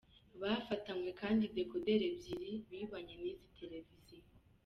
Bafatanywe kandi Dekoderi ebyiri bibanye n’izi Televiziyo.